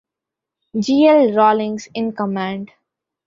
G. L. Rawlings in command.